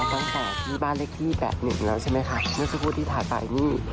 ตั้งแต่ี่บ้านเลขที่แปดหนึ่งแล้วใช่ไหมค่ะเพราะว่าที่ถาดต่ออย่างนี้